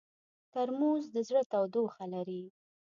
ترموز د زړه تودوخه لري.